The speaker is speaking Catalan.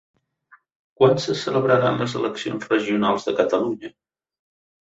Quan se celebraran les eleccions regionals de Catalunya?